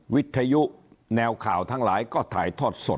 วิทยุแนวข่าวทั้งหลายก็ถ่ายทอดสด